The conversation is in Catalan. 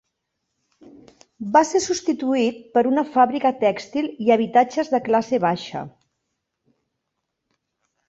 Va ser substituït per una fàbrica tèxtil i habitatges de classe baixa.